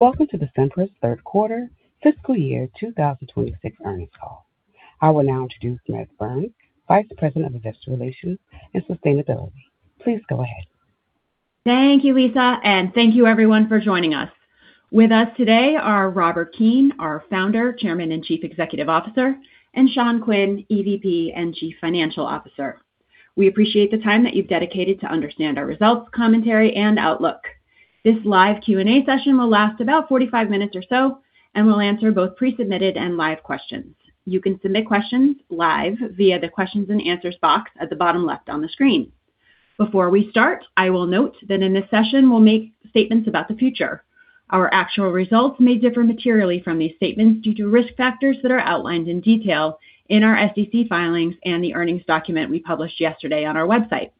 Welcome to the Cimpress Third Quarter Fiscal Year 2026 earnings call. I will now introduce Meredith Burns, Vice President of Investor Relations and Sustainability. Please go ahead. Thank you, Lisa, and thank you everyone for joining us. With us today are Robert Keane, our Founder, Chairman, and Chief Executive Officer, and Sean Quinn, EVP and Chief Financial Officer. We appreciate the time that you've dedicated to understand our results, commentary, and outlook. This live Q&A session will last about 45 minutes or so, and we'll answer both pre-submitted and live questions. You can submit questions live via the questions and answers box at the bottom left on the screen. Before we start, I will note that in this session, we'll make statements about the future. Our actual results may differ materially from these statements due to risk factors that are outlined in detail in our SEC filings and the earnings document we published yesterday on our website.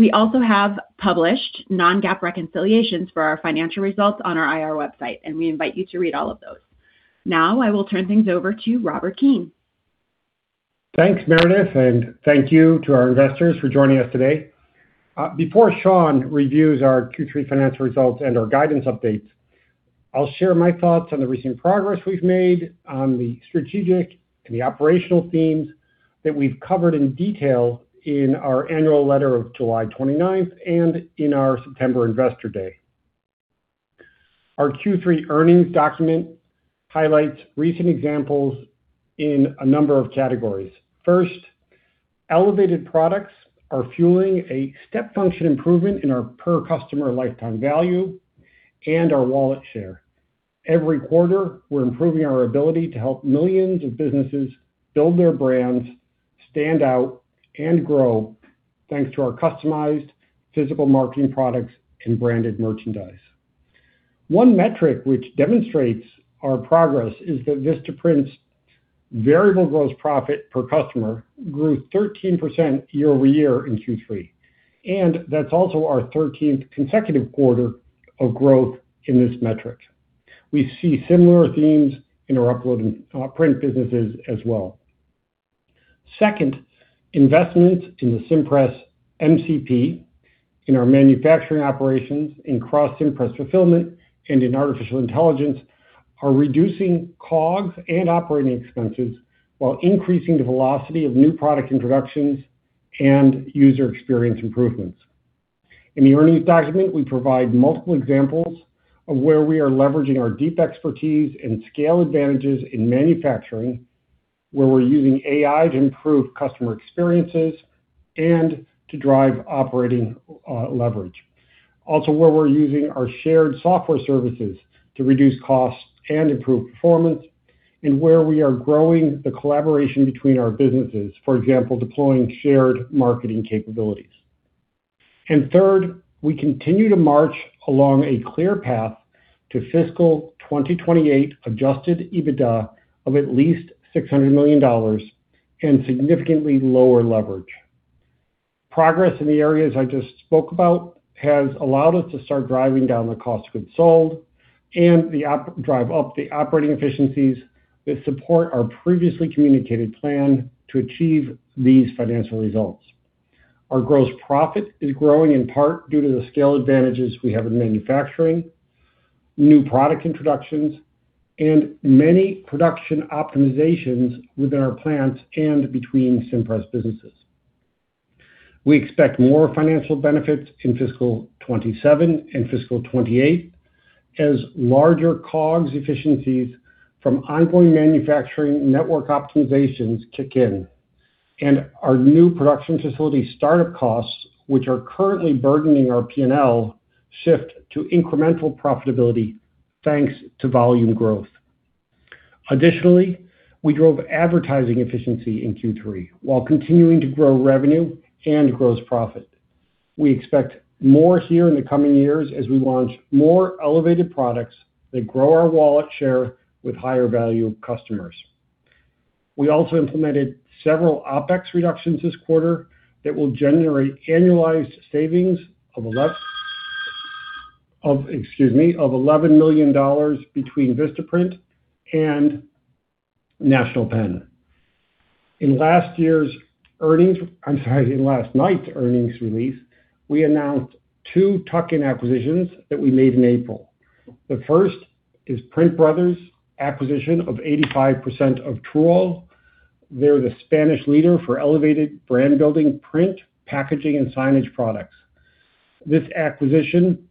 We also have published non-GAAP reconciliations for our financial results on our IR website, and we invite you to read all of those. Now, I will turn things over to Robert Keane. Thanks, Meredith, and thank you to our investors for joining us today. Before Sean reviews our Q3 financial results and our guidance updates, I'll share my thoughts on the recent progress we've made on the strategic and the operational themes that we've covered in detail in our annual letter of July 29th and in our September Investor Day. Our Q3 earnings document highlights recent examples in a number of categories. First, elevated products are fueling a step function improvement in our per customer lifetime value and our wallet share. Every quarter, we're improving our ability to help millions of businesses build their brands, stand out, and grow thanks to our customized physical marketing products and branded merchandise. One metric which demonstrates our progress is that Vistaprint's variable gross profit per customer grew 13% year-over-year in Q3, and that's also our 13th consecutive quarter of growth in this metric. We see similar themes in our Upload and Print businesses as well. Second, investments in the Cimpress MCP, in our manufacturing operations, in cross-Cimpress fulfillment, and in artificial intelligence are reducing COGS and operating expenses while increasing the velocity of new product introductions and user experience improvements. In the earnings document, we provide multiple examples of where we are leveraging our deep expertise and scale advantages in manufacturing, where we're using AI to improve customer experiences and to drive operating leverage. Where we're using our shared software services to reduce costs and improve performance, and where we are growing the collaboration between our businesses, for example, deploying shared marketing capabilities. Third, we continue to march along a clear path to fiscal 2028 adjusted EBITDA of at least $600 million and significantly lower leverage. Progress in the areas I just spoke about has allowed us to start driving down the cost of goods sold and drive up the operating efficiencies that support our previously communicated plan to achieve these financial results. Our gross profit is growing in part due to the scale advantages we have in manufacturing, new product introductions, and many production optimizations within our plants and between Cimpress businesses. We expect more financial benefits in fiscal 2027 and fiscal 2028 as larger COGS efficiencies from ongoing manufacturing network optimizations kick in. Our new production facility startup costs, which are currently burdening our P&L, shift to incremental profitability thanks to volume growth. Additionally, we drove advertising efficiency in Q3 while continuing to grow revenue and gross profit. We expect more here in the coming years as we launch more elevated products that grow our wallet share with higher value customers. We also implemented several OpEx reductions this quarter that will generate annualized savings of, excuse me, of $11 million between Vistaprint and National Pen. In last year's earnings, I'm sorry, in last night's earnings release, we announced two tuck-in acquisitions that we made in April. The first is PrintBrothers' acquisition of 85% of Truyol. They're the Spanish leader for elevated brand building print, packaging, and signage products. This acquisition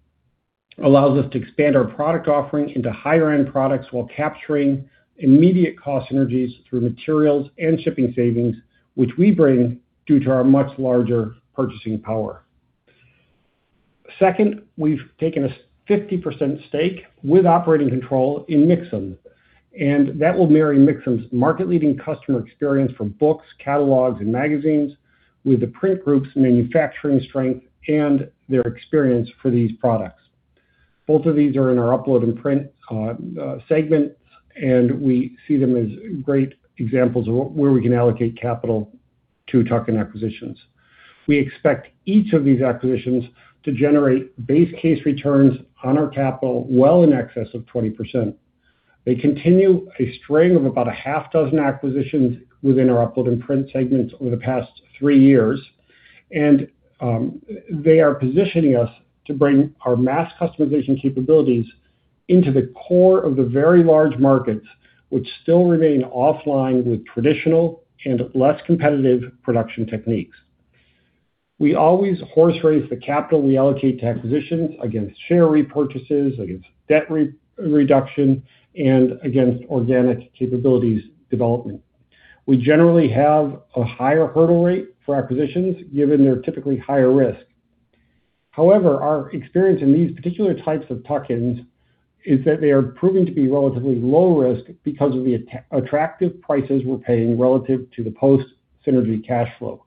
allows us to expand our product offering into higher end products while capturing immediate cost synergies through materials and shipping savings, which we bring due to our much larger purchasing power. Second, we've taken a 50% stake with operating control in Mixam. That will marry Mixam's market-leading customer experience from books, catalogs, and magazines with the Print Group's manufacturing strength and their experience for these products. Both of these are in our Upload and Print segment. We see them as great examples of where we can allocate capital to tuck-in acquisitions. We expect each of these acquisitions to generate base case returns on our capital well in excess of 20%. They continue a string of about a half dozen acquisitions within our Upload and Print segments over the past three years. They are positioning us to bring our mass customization capabilities into the core of the very large markets, which still remain offline with traditional and less competitive production techniques. We always horse race the capital we allocate to acquisitions against share repurchases, against debt re-reduction, and against organic capabilities development. We generally have a higher hurdle rate for acquisitions given their typically higher risk. Our experience in these particular types of tuck-ins is that they are proving to be relatively low risk because of the attractive prices we're paying relative to the post-synergy cash flow.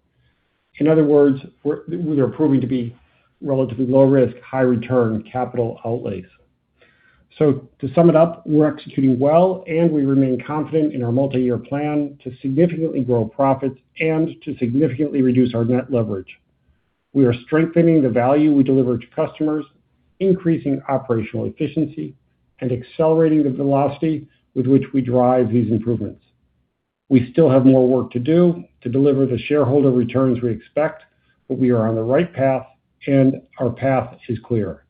In other words, they're proving to be relatively low risk, high return capital outlays. To sum it up, we're executing well, and we remain confident in our multi-year plan to significantly grow profits and to significantly reduce our net leverage. We are strengthening the value we deliver to customers, increasing operational efficiency, and accelerating the velocity with which we drive these improvements. We still have more work to do to deliver the shareholder returns we expect, but we are on the right path, and our path is clear.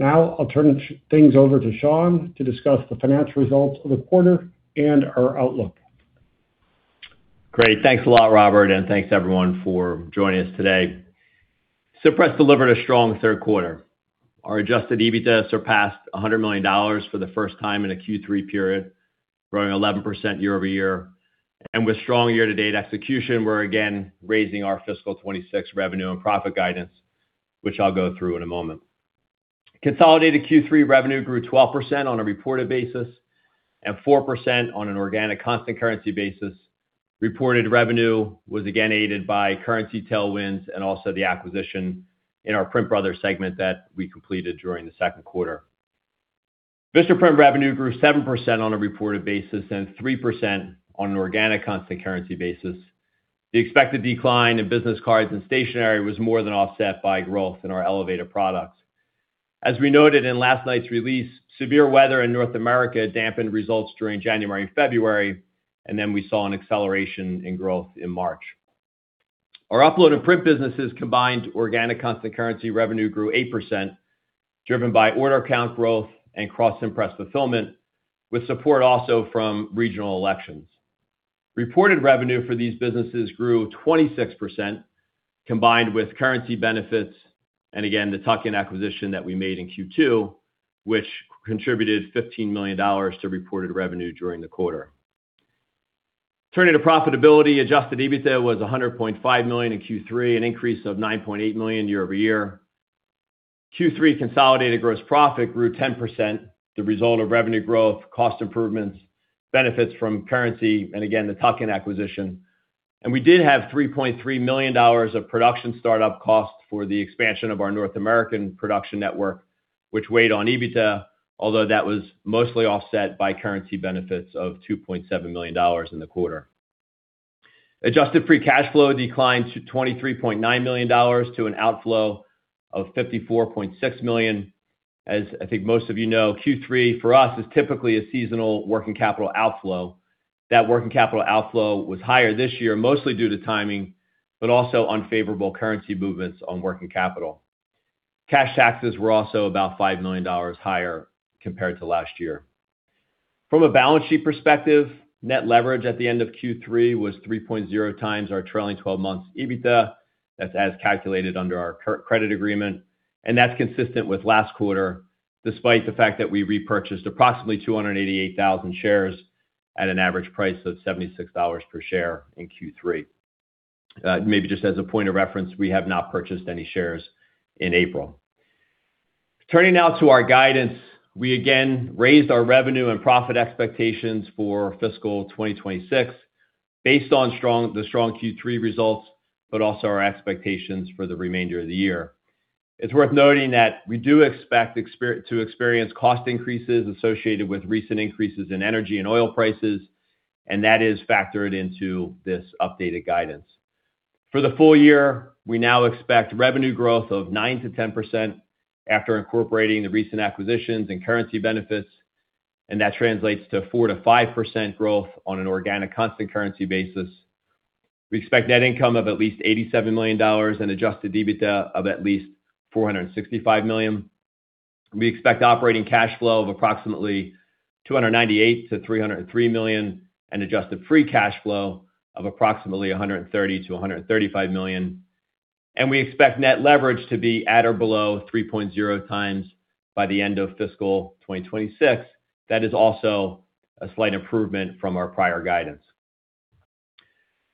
I'll turn things over to Sean to discuss the financial results of the quarter and our outlook. Great. Thanks a lot, Robert, and thanks everyone for joining us today. Cimpress delivered a strong third quarter. Our adjusted EBITDA surpassed $100 million for the first time in a Q3 period, growing 11% year-over-year. With strong year-to-date execution, we're again raising our fiscal 2026 revenue and profit guidance, which I'll go through in a moment. Consolidated Q3 revenue grew 12% on a reported basis and 4% on an organic constant currency basis. Reported revenue was again aided by currency tailwinds and also the acquisition in our PrintBrothers segment that we completed during the second quarter. Vistaprint revenue grew 7% on a reported basis and 3% on an organic constant currency basis. The expected decline in business cards and stationery was more than offset by growth in our elevated products. As we noted in last night's release, severe weather in North America dampened results during January and February, and then we saw an acceleration in growth in March. Our Upload and Print businesses combined organic constant currency revenue grew 8%, driven by order count growth and cross-Cimpress fulfillment, with support also from regional elections. Reported revenue for these businesses grew 26% combined with currency benefits and again, the tuck-in acquisition that we made in Q2, which contributed $15 million to reported revenue during the quarter. Turning to profitability, adjusted EBITDA was $100.5 million in Q3, an increase of $9.8 million year-over-year. Q3 consolidated gross profit grew 10%, the result of revenue growth, cost improvements, benefits from currency, and again, the tuck-in acquisition. We did have $3.3 million of production startup costs for the expansion of our North American production network, which weighed on EBITDA, although that was mostly offset by currency benefits of $2.7 million in the quarter. Adjusted free cash flow declined to $23.9 million to an outflow of $54.6 million. As I think most of you know, Q3 for us is typically a seasonal working capital outflow. That working capital outflow was higher this year, mostly due to timing, but also unfavorable currency movements on working capital. Cash taxes were also about $5 million higher compared to last year. From a balance sheet perspective, net leverage at the end of Q3 was 3.0x our trailing twelve months EBITDA. That's as calculated under our credit agreement. That's consistent with last quarter, despite the fact that we repurchased approximately 288,000 shares at an average price of $76 per share in Q3. Maybe just as a point of reference, we have not purchased any shares in April. Turning now to our guidance, we again raised our revenue and profit expectations for fiscal 2026 based on the strong Q3 results, also our expectations for the remainder of the year. It's worth noting that we do expect to experience cost increases associated with recent increases in energy and oil prices. That is factored into this updated guidance. For the full year, we now expect revenue growth of 9%-10% after incorporating the recent acquisitions and currency benefits. That translates to 4%-5% growth on an organic constant currency basis. We expect net income of at least $87 million and adjusted EBITDA of at least $465 million. We expect operating cash flow of approximately $298 million-$303 million. Adjusted free cash flow of approximately $130 million-$135 million. We expect net leverage to be at or below 3.0x by the end of fiscal 2026. That is also a slight improvement from our prior guidance.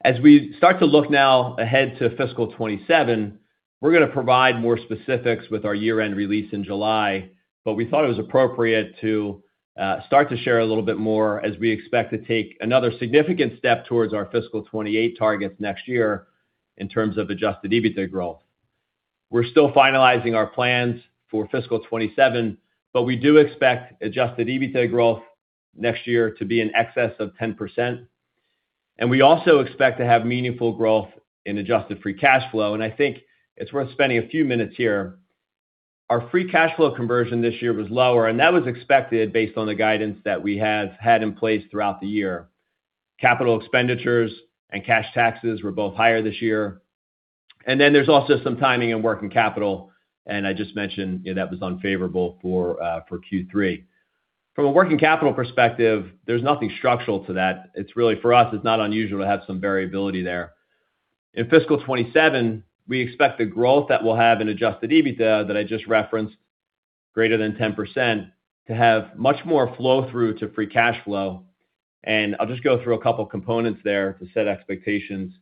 As we start to look now ahead to fiscal 2027, we're gonna provide more specifics with our year-end release in July. We thought it was appropriate to start to share a little bit more as we expect to take another significant step towards our fiscal 2028 targets next year in terms of adjusted EBITDA growth. We're still finalizing our plans for fiscal 2027, but we do expect adjusted EBITDA growth next year to be in excess of 10%. We also expect to have meaningful growth in adjusted free cash flow, and I think it's worth spending a few minutes here. Our free cash flow conversion this year was lower. That was expected based on the guidance that we have had in place throughout the year. Capital expenditures and cash taxes were both higher this year. There's also some timing in working capital. I just mentioned that was unfavorable for Q3. From a working capital perspective, there's nothing structural to that. It's really, for us, it's not unusual to have some variability there. In fiscal 2027, we expect the growth that we'll have in adjusted EBITDA that I just referenced, greater than 10%, to have much more flow-through to free cash flow. I'll just go through a couple components there to set expectations.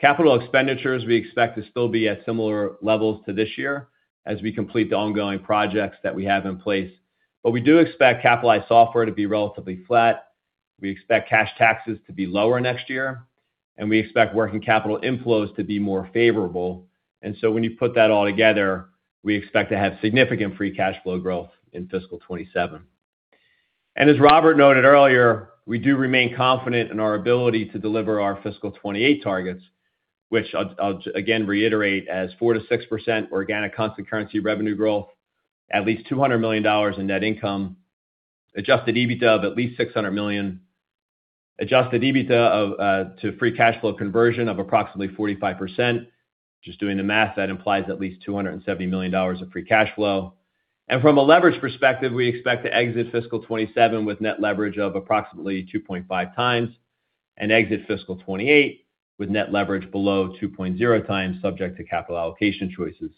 Capital expenditures we expect to still be at similar levels to this year as we complete the ongoing projects that we have in place. We do expect capitalized software to be relatively flat. We expect cash taxes to be lower next year, and we expect working capital inflows to be more favorable. When you put that all together, we expect to have significant free cash flow growth in fiscal 2027. As Robert noted earlier, we do remain confident in our ability to deliver our fiscal 2028 targets, which I'll again reiterate as 4%-6% organic constant currency revenue growth, at least $200 million in net income, adjusted EBITDA of at least $600 million, adjusted EBITDA to free cash flow conversion of approximately 45%. Just doing the math, that implies at least $270 million of free cash flow. From a leverage perspective, we expect to exit fiscal 2027 with net leverage of approximately 2.5x, and exit fiscal 2028 with net leverage below 2.0x, subject to capital allocation choices.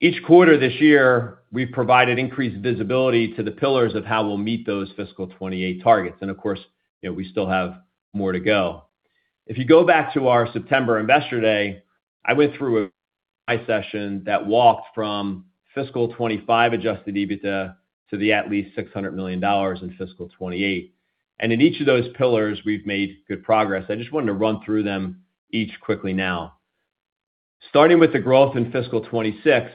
Each quarter this year, we've provided increased visibility to the pillars of how we'll meet those fiscal 2028 targets. Of course, you know, we still have more to go. If you go back to our September investor day, I went through a session that walked from fiscal 2025 adjusted EBITDA to the at least $600 million in fiscal 2028. In each of those pillars, we've made good progress. I just wanted to run through them each quickly now. Starting with the growth in fiscal 2026,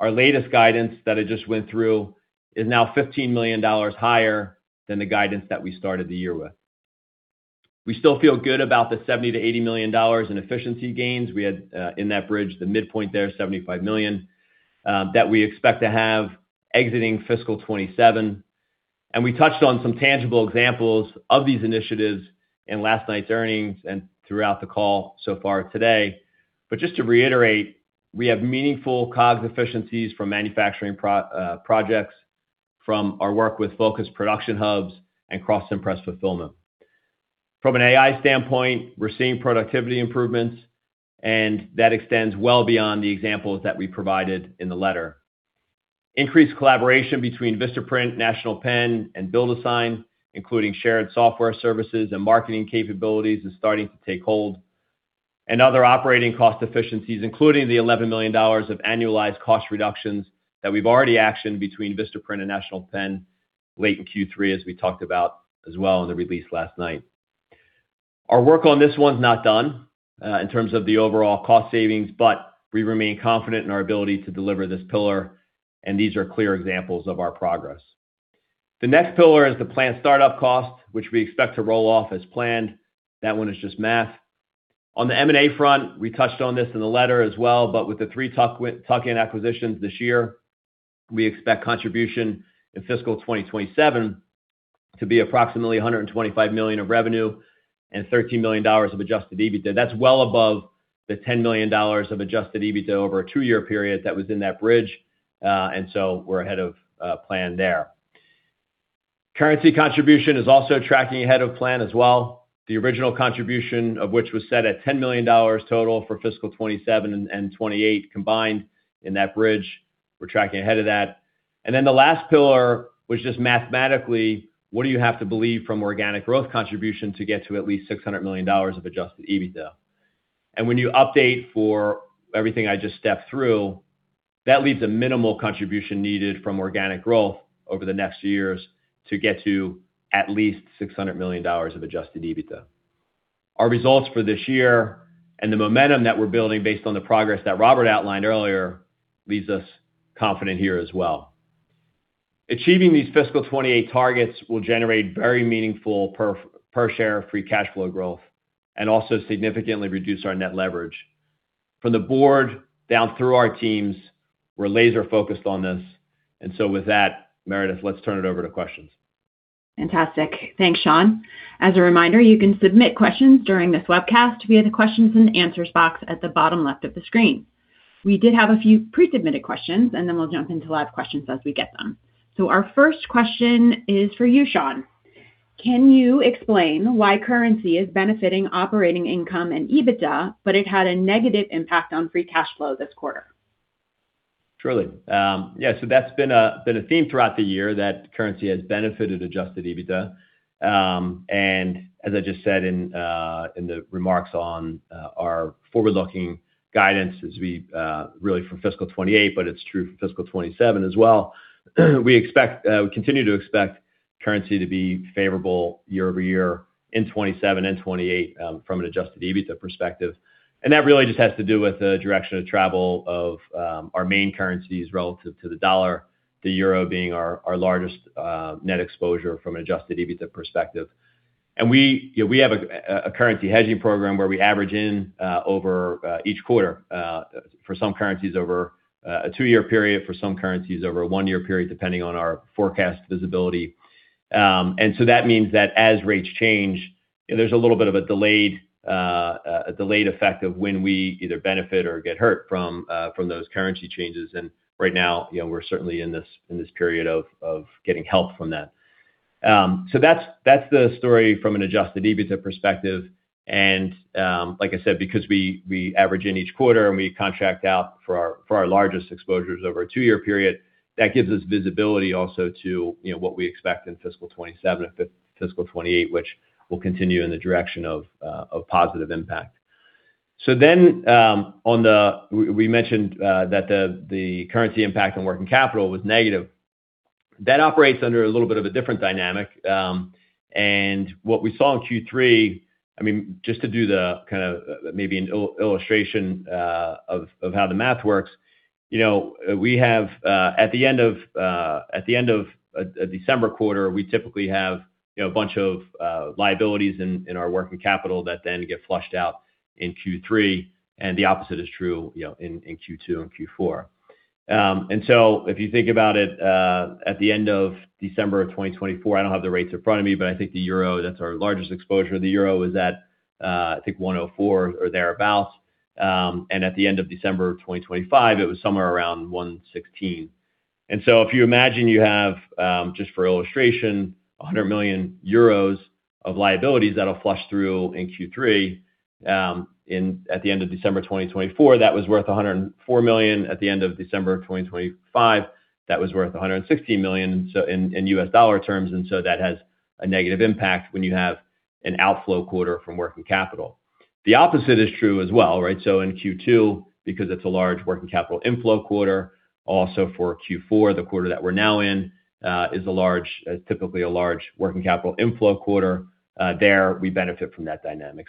our latest guidance that I just went through is now $15 million higher than the guidance that we started the year with. We still feel good about the $70 million-$80 million in efficiency gains we had in that bridge, the midpoint there, $75 million, that we expect to have exiting fiscal 2027. We touched on some tangible examples of these initiatives in last night's earnings and throughout the call so far today. Just to reiterate, we have meaningful COGS efficiencies from manufacturing projects from our work with focused production hubs and cross-Cimpress fulfillment. From an AI standpoint, we're seeing productivity improvements, and that extends well beyond the examples that we provided in the letter. Increased collaboration between Vistaprint, National Pen, and BuildASign, including shared software services and marketing capabilities is starting to take hold. Other operating cost efficiencies, including the $11 million of annualized cost reductions that we've already actioned between Vistaprint and National Pen late in Q3, as we talked about as well in the release last night. Our work on this one's not done in terms of the overall cost savings, but we remain confident in our ability to deliver this pillar, and these are clear examples of our progress. The next pillar is the planned start-up cost, which we expect to roll off as planned. That one is just math. On the M&A front, we touched on this in the letter as well, but with the three tuck-in acquisitions this year, we expect contribution in fiscal 2027 to be approximately 125 million of revenue and $13 million of adjusted EBITDA. That's well above the $10 million of adjusted EBITDA over a two-year period that was in that bridge. We're ahead of plan there. Currency contribution is also tracking ahead of plan as well. The original contribution of which was set at $10 million total for fiscal 2027 and 2028 combined in that bridge. We're tracking ahead of that. The last pillar was just mathematically, what do you have to believe from organic growth contribution to get to at least $600 million of adjusted EBITDA? When you update for everything I just stepped through, that leaves a minimal contribution needed from organic growth over the next few years to get to at least $600 million of adjusted EBITDA. Our results for this year and the momentum that we're building based on the progress that Robert outlined earlier leaves us confident here as well. Achieving these fiscal 2028 targets will generate very meaningful per share free cash flow growth and also significantly reduce our net leverage. From the board down through our teams, we're laser-focused on this. With that, Meredith, let's turn it over to questions. Fantastic. Thanks, Sean. As a reminder, you can submit questions during this webcast via the questions and answers box at the bottom left of the screen. We did have a few pre-submitted questions, and then we'll jump into live questions as we get them. Our 1st question is for you, Sean. Can you explain why currency is benefiting operating income and EBITDA, but it had a negative impact on free cash flow this quarter? Truly. That's been a theme throughout the year that currency has benefited adjusted EBITDA. As I just said in the remarks on our forward-looking guidance as we really for fiscal 2028, but it's true for fiscal 2027 as well. We continue to expect currency to be favorable year-over-year in 2027 and 2028 from an adjusted EBITDA perspective. That really just has to do with the direction of travel of our main currencies relative to the dollar. The euro being our largest net exposure from an adjusted EBITDA perspective. We, you know, we have a currency hedging program where we average in over each quarter for some currencies over a two-year period, for some currencies over a one-year period, depending on our forecast visibility. That means that as rates change, there's a little bit of a delayed, a delayed effect of when we either benefit or get hurt from those currency changes. Right now, you know, we're certainly in this, in this period of getting help from that. That's, that's the story from an adjusted EBITDA perspective. Like I said, because we average in each quarter and we contract out for our, for our largest exposures over a two-year period, that gives us visibility also to, you know, what we expect in fiscal 2027 and fiscal 2028, which will continue in the direction of positive impact. We mentioned that the currency impact on working capital was negative. That operates under a little bit of a different dynamic. What we saw in Q3, I mean, just to do the kind of maybe an illustration of how the math works. You know, we have at the end of a December quarter, we typically have, you know, a bunch of liabilities in our working capital that then get flushed out in Q3, and the opposite is true, you know, in Q2 and Q4. If you think about it, at the end of December of 2024, I don't have the rates in front of me, but I think the EUR, that's our largest exposure, the EUR was at, I think 1.04 or thereabout. At the end of December of 2025, it was somewhere around 1.16. If you imagine you have, just for illustration, 100 million euros of liabilities that'll flush through in Q3, at the end of December 2024, that was worth $104 million. At the end of December 2025, that was worth $116 million, in US dollar terms, that has a negative impact when you have an outflow quarter from working capital. The opposite is true as well, right? In Q2, because it's a large working capital inflow quarter, also for Q4, the quarter that we're now in, is typically a large working capital inflow quarter. There we benefit from that dynamic.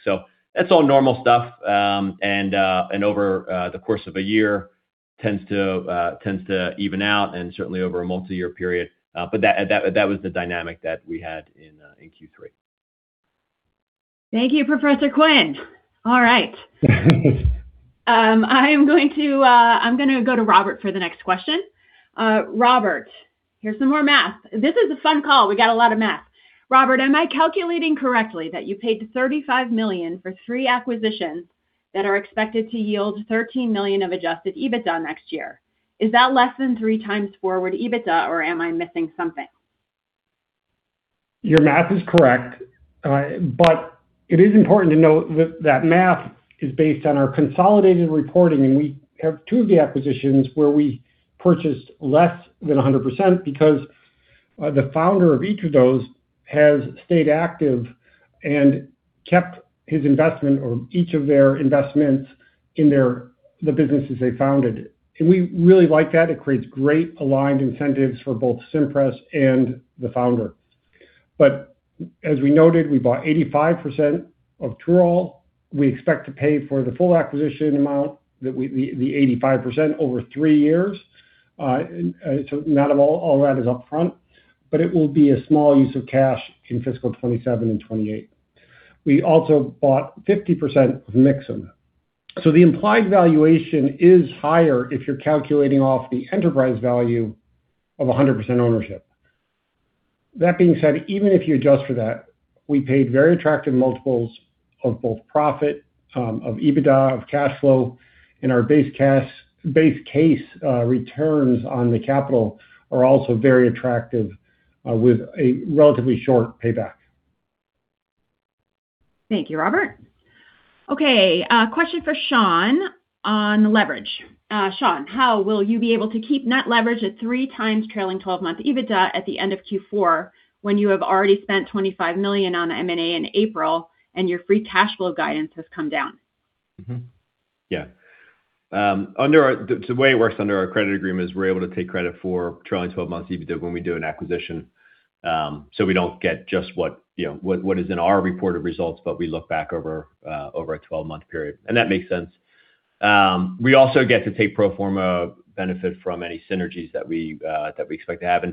That's all normal stuff. Over the course of a year tends to even out and certainly over a multiyear period. That was the dynamic that we had in Q3. Thank you, Sean Quinn. All right. I am going to, I'm gonna go to Robert for the next question. Robert, here's some more math. This is a fun call. We got a lot of math. Robert, am I calculating correctly that you paid $35 million for 3 acquisitions that are expected to yield $13 million of adjusted EBITDA next year? Is that less than 3x forward EBITDA, or am I missing something? Your math is correct. But it is important to note that math is based on our consolidated reporting, and we have two of the acquisitions where we purchased less than 100% because the founder of each of those has stayed active and kept his investment or each of their investments in the businesses they founded. And we really like that. It creates great aligned incentives for both Cimpress and the founder. As we noted, we bought 85% of Truyol. We expect to pay for the full acquisition amount the 85% over three years. So not of all that is upfront, but it will be a small use of cash in fiscal 2027 and 2028. We also bought 50% of Mixam. The implied valuation is higher if you're calculating off the enterprise value of 100% ownership. That being said, even if you adjust for that, we paid very attractive multiples of both profit, of EBITDA, of cash flow, and our base case returns on the capital are also very attractive with a relatively short payback. Thank you, Robert. Okay, question for Sean on leverage. Sean, how will you be able to keep net leverage at 3x trailing twelve-month EBITDA at the end of Q4 when you have already spent $25 million on M&A in April and your free cash flow guidance has come down? Mm-hmm. Yeah. The way it works under our credit agreement is we're able to take credit for trailing 12 months EBITDA when we do an acquisition. We don't get just what, you know, what is in our reported results, but we look back over a 12-month period. That makes sense. We also get to take pro forma benefit from any synergies that we expect to have.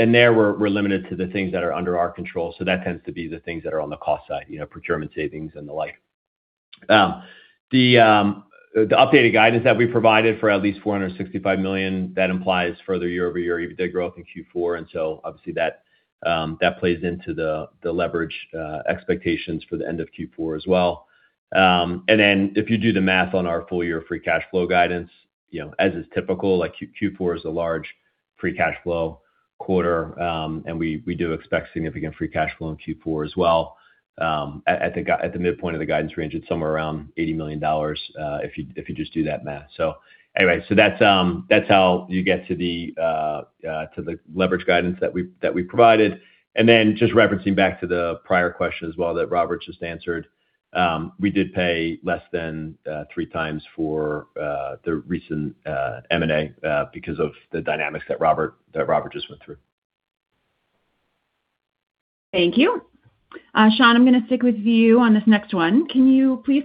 There we're limited to the things that are under our control. That tends to be the things that are on the cost side, you know, procurement savings and the like. The updated guidance that we provided for at least $465 million, that implies further year-over-year EBITDA growth in Q4. Obviously that plays into the leverage expectations for the end of Q4 as well. If you do the math on our full year free cash flow guidance, you know, as is typical, like Q4 is a large free cash flow quarter. We do expect significant free cash flow in Q4 as well. At the midpoint of the guidance range, it's somewhere around $80 million if you just do that math. That's how you get to the leverage guidance that we provided. Just referencing back to the prior question as well that Robert just answered, we did pay less than 3 times for the recent M&A because of the dynamics that Robert just went through. Thank you. Sean, I'm gonna stick with you on this next one. We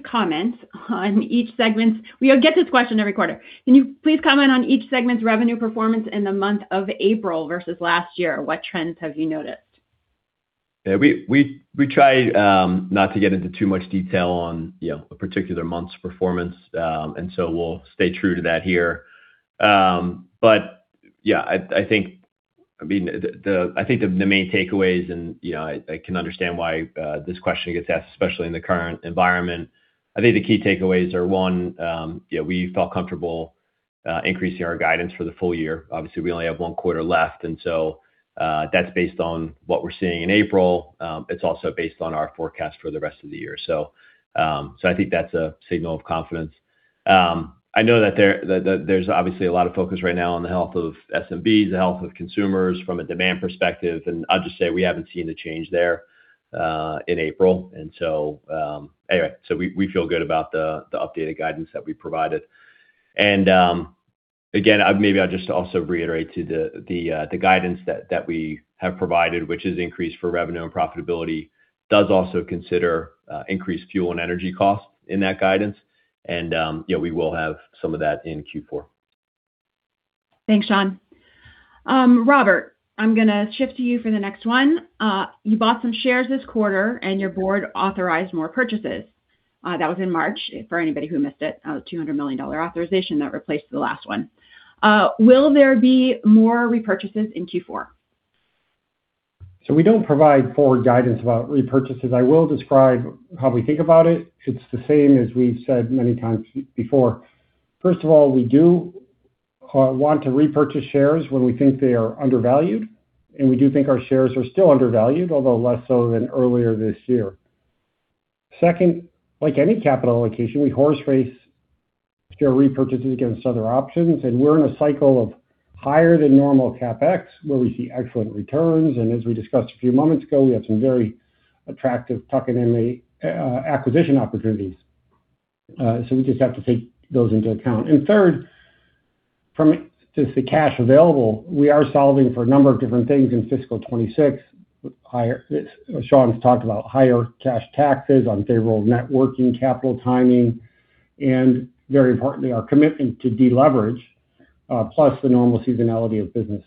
get this question every quarter. Can you please comment on each segment's revenue performance in the month of April versus last year? What trends have you noticed? Yeah. We try not to get into too much detail on, you know, a particular month's performance. We'll stay true to that here. Yeah, I think, I mean, I think the main takeaways and, you know, I can understand why this question gets asked, especially in the current environment. I think the key takeaways are, one, you know, we felt comfortable increasing our guidance for the full year. Obviously, we only have one quarter left, that's based on what we're seeing in April. It's also based on our forecast for the rest of the year. I think that's a signal of confidence. I know that there's obviously a lot of focus right now on the health of SMBs, the health of consumers from a demand perspective. I'll just say we haven't seen a change there in April. We feel good about the updated guidance that we provided. I'll just also reiterate the guidance that we have provided, which is increased for revenue and profitability, does also consider increased fuel and energy costs in that guidance. You know, we will have some of that in Q4. Thanks, Sean. Robert, I'm gonna shift to you for the next one. You bought some shares this quarter, and your board authorized more purchases. That was in March, for anybody who missed it, $200 million authorization that replaced the last one. Will there be more repurchases in Q4? We don't provide forward guidance about repurchases. I will describe how we think about it. It's the same as we've said many times before. First of all, we do want to repurchase shares when we think they are undervalued, and we do think our shares are still undervalued, although less so than earlier this year. Second, like any capital allocation, we horse race share repurchases against other options, and we're in a cycle of higher than normal CapEx, where we see excellent returns. As we discussed a few moments ago, we have some very attractive tuck-in M&A acquisition opportunities. We just have to take those into account. Third, just the cash available, we are solving for a number of different things in fiscal 2026. Sean's talked about higher cash taxes, unfavorable net working capital timing, and very importantly, our commitment to deleverage, plus the normal seasonality of business.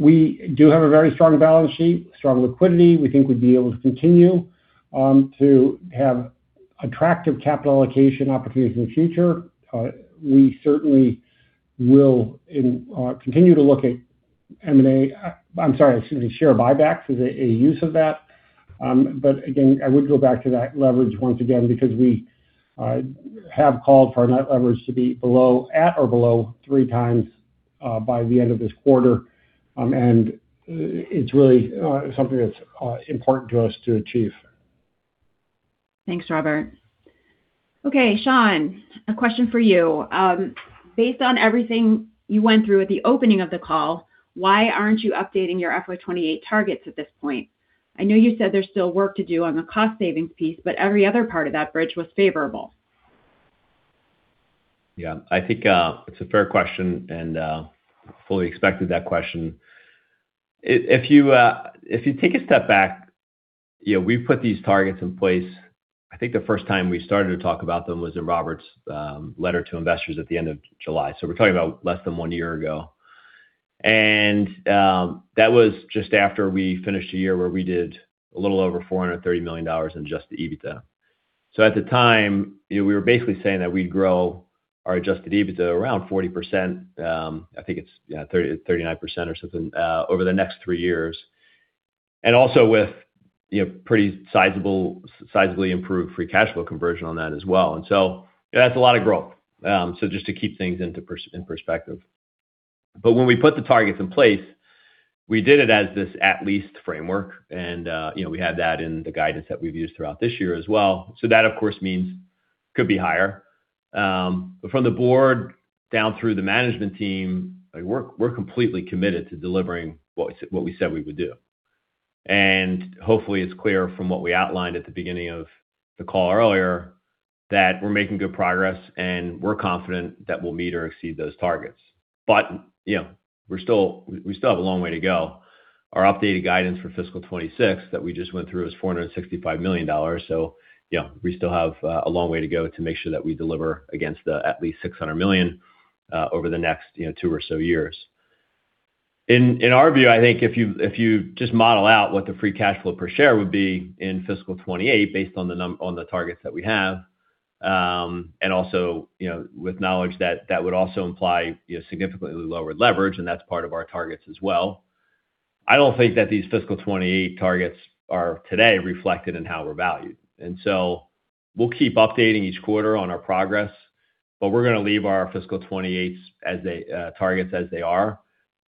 We do have a very strong balance sheet, strong liquidity. We think we'd be able to continue to have attractive capital allocation opportunities in the future. We certainly will continue to look at share buybacks as a use of that. Again, I would go back to that leverage once again because we have called for our net leverage to be below, at or below 3x by the end of this quarter. It's really something that's important to us to achieve. Thanks, Robert. Okay, Sean, a question for you. Based on everything you went through at the opening of the call, why aren't you updating your FY 2028 targets at this point? I know you said there's still work to do on the cost savings piece, every other part of that bridge was favorable. Yeah. I think it's a fair question and fully expected that question. If you take a step back, you know, we put these targets in place I think the first time we started to talk about them was in Robert's letter to investors at the end of July, so we're talking about less than one year ago. That was just after we finished a year where we did a little over $430 million in adjusted EBITDA. At the time, you know, we were basically saying that we'd grow our adjusted EBITDA around 40%, I think it's, yeah, 39% or something over the next three years. Also with, you know, pretty sizably improved free cash flow conversion on that as well. That's a lot of growth, just to keep things in perspective. When we put the targets in place, we did it as this at-least framework. You know, we had that in the guidance that we've used throughout this year as well. That, of course, means could be higher. From the board down through the management team, we're completely committed to delivering what we said we would do. Hopefully, it's clear from what we outlined at the beginning of the call earlier that we're making good progress, and we're confident that we'll meet or exceed those targets. You know, we still have a long way to go. Our updated guidance for fiscal 2026 that we just went through is $465 million, yeah, we still have a long way to go to make sure that we deliver against the at least $600 million over the next, you know, two or so years. In our view, I think if you, if you just model out what the free cash flow per share would be in fiscal 2028 based on the targets that we have, and also, you know, with knowledge that that would also imply, you know, significantly lower leverage, and that's part of our targets as well. I don't think that these fiscal 2028 targets are today reflected in how we're valued. We'll keep updating each quarter on our progress, but we're going to leave our fiscal 2028 targets as they are.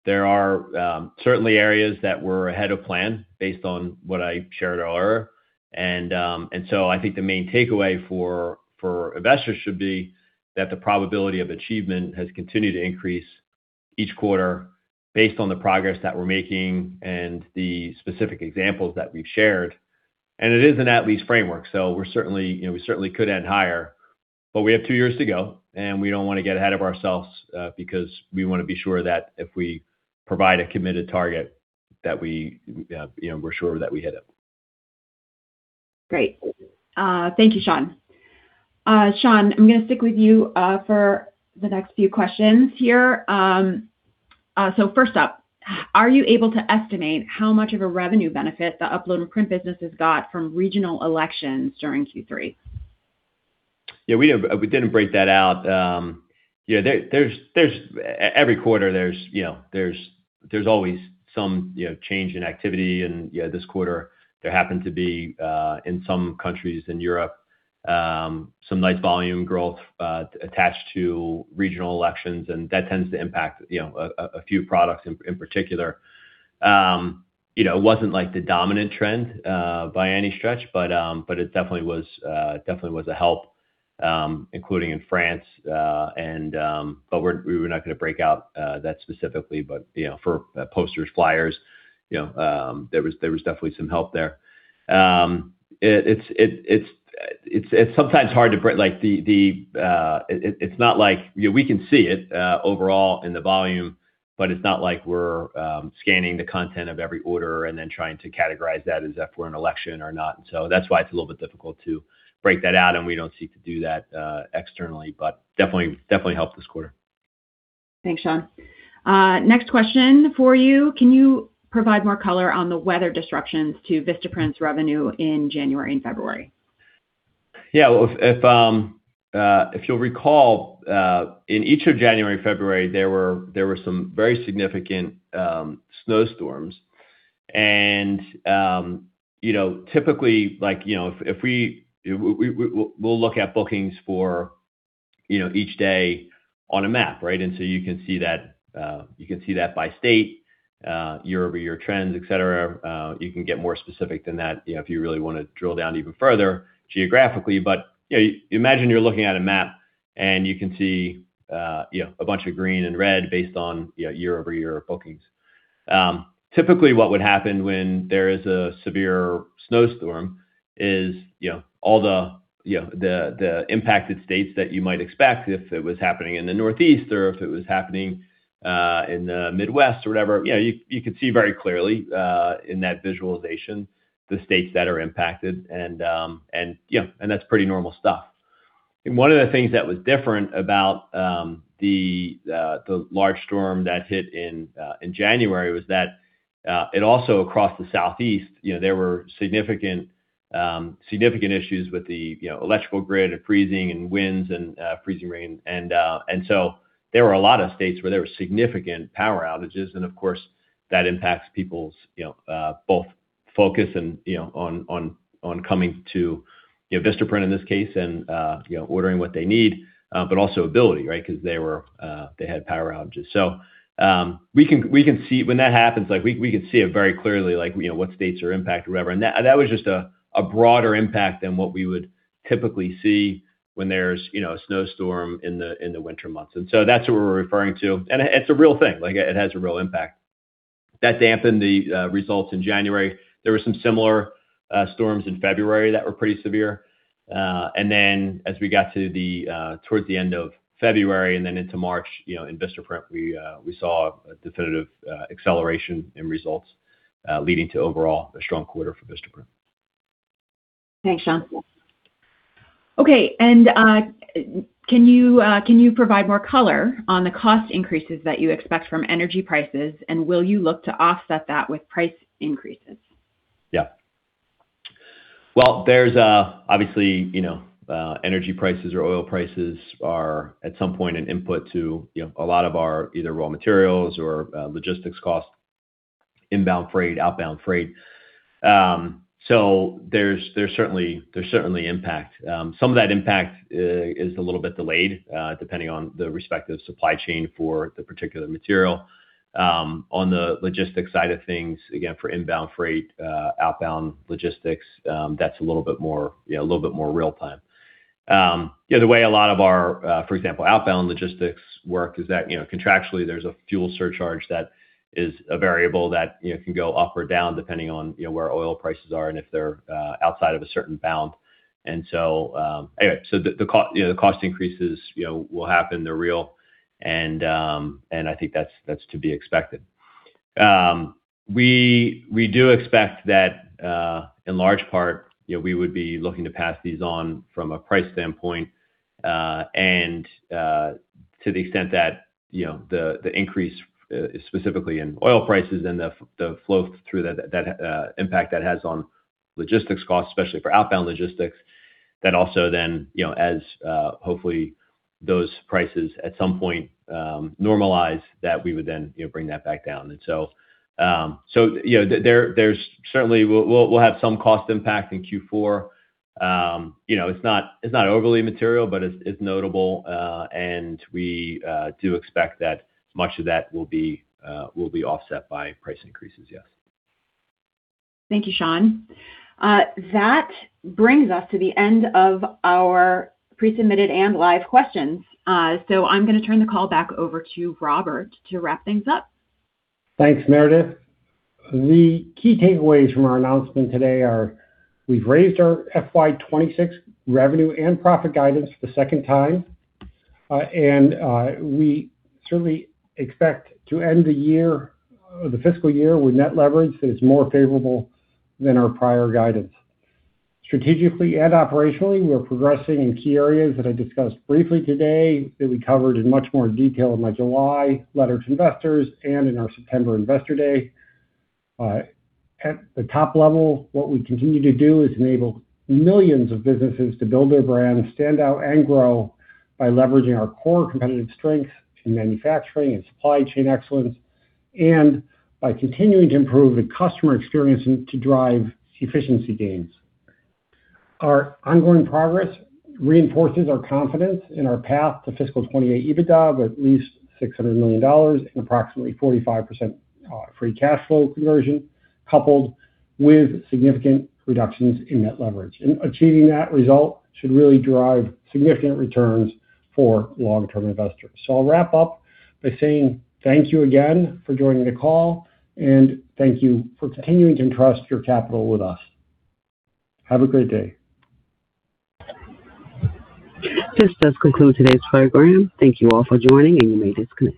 There are certainly areas that we're ahead of plan based on what I shared earlier. I think the main takeaway for investors should be that the probability of achievement has continued to increase each quarter based on the progress that we're making and the specific examples that we've shared. It is an at-least framework, so we're certainly, you know, we certainly could end higher. But we have two years to go, and we don't want to get ahead of ourselves because we want to be sure that if we provide a committed target that we, you know, we're sure that we hit it. Great. Thank you, Sean. Sean, I'm gonna stick with you for the next few questions here. First up, are you able to estimate how much of a revenue benefit the Upload and Print business has got from regional elections during Q3? We don't. We didn't break that out. Every quarter there's, you know, there's always some, you know, change in activity. This quarter there happened to be in some countries in Europe some nice volume growth attached to regional elections, and that tends to impact, you know, a few products in particular. You know, it wasn't, like, the dominant trend by any stretch, but it definitely was a help, including in France. We were not gonna break out that specifically. You know, for posters, flyers, you know, there was definitely some help there. It's sometimes hard to break, like the. It's not like, you know, we can see it, overall in the volume, but it's not like we're scanning the content of every order and then trying to categorize that as if we're an election or not. So that's why it's a little bit difficult to break that out, and we don't seek to do that externally. Definitely helped this quarter. Thanks, Sean. Next question for you. Can you provide more color on the weather disruptions to Vistaprint's revenue in January and February? Yeah. If you'll recall, in each of January and February, there were some very significant snowstorms. You know, typically, like, you know, if we'll look at bookings for, you know, each day on a map, right? You can see that, you can see that by state, year-over-year trends, et cetera. You can get more specific than that, you know, if you really wanna drill down even further geographically. You know, imagine you're looking at a map, and you can see, you know, a bunch of green and red based on, you know, year-over-year bookings. Typically what would happen when there is a severe snowstorm is, you know, all the, you know, the impacted states that you might expect if it was happening in the Northeast or if it was happening in the Midwest or whatever, you know, you could see very clearly in that visualization the states that are impacted. Yeah, that's pretty normal stuff. One of the things that was different about the large storm that hit in January was that it also, across the Southeast, you know, there were significant issues with the, you know, electrical grid freezing and winds and freezing rain. There were a lot of states where there were significant power outages, and of course, that impacts people's both focus on coming to Vistaprint in this case, and ordering what they need. Also ability, right? 'Cause they were they had power outages. We can see when that happens, we can see it very clearly, what states are impacted or whatever. That was just a broader impact than what we would typically see when there's a snowstorm in the winter months. That's what we're referring to, and it's a real thing. It has a real impact. That dampened the results in January. There were some similar storms in February that were pretty severe. Then as we got to the towards the end of February and then into March, you know, in Vistaprint, we saw a definitive acceleration in results, leading to overall a strong quarter for Vistaprint. Thanks, Sean. Okay. Can you provide more color on the cost increases that you expect from energy prices, and will you look to offset that with price increases? Yeah. Well, there's, obviously, you know, energy prices or oil prices are at some point an input to, you know, a lot of our either raw materials or logistics costs, inbound freight, outbound freight. There's certainly impact. Some of that impact is a little bit delayed, depending on the respective supply chain for the particular material. On the logistics side of things, again, for inbound freight, outbound logistics, that's a little bit more, you know, real time. You know, the way a lot of our, for example, outbound logistics work is that, you know, contractually there's a fuel surcharge that is a variable that, you know, can go up or down depending on, you know, where oil prices are and if they're outside of a certain bound. Anyway, so the cost, you know, the cost increases, you know, will happen, they're real, and I think that's to be expected. We do expect that in large part, you know, we would be looking to pass these on from a price standpoint, and to the extent that, you know, the increase specifically in oil prices and the flow through that impact that has on logistics costs, especially for outbound logistics, that also then, you know, as hopefully those prices at some point normalize, that we would then, you know, bring that back down. So, you know, there's certainly, we'll have some cost impact in Q4. You know, it's not overly material, but it's notable. We do expect that much of that will be offset by price increases, yes. Thank you, Sean. That brings us to the end of our pre-submitted and live questions. I'm gonna turn the call back over to Robert to wrap things up. Thanks, Meredith. The key takeaways from our announcement today are we've raised our FY 2026 revenue and profit guidance for the second time. We certainly expect to end the year, the fiscal year with net leverage that is more favorable than our prior guidance. Strategically and operationally, we're progressing in key areas that I discussed briefly today, that we covered in much more detail in my July letter to investors and in our September Investor day. At the top level, what we continue to do is enable millions of businesses to build their brand, stand out, and grow by leveraging our core competitive strengths to manufacturing and supply chain excellence, and by continuing to improve the customer experience and to drive efficiency gains. Our ongoing progress reinforces our confidence in our path to fiscal 2028 EBITDA of at least $600 million and approximately 45% free cash flow conversion, coupled with significant reductions in net leverage. Achieving that result should really drive significant returns for long-term investors. I'll wrap up by saying thank you again for joining the call, and thank you for continuing to entrust your capital with us. Have a great day. This does conclude today's program. Thank you all for joining, and you may disconnect.